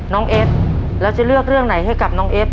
น้องเอฟแล้วจะเลือกเรื่องไหนให้กับน้องเอฟ